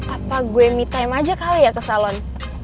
apa gue me time aja kali ya ke salon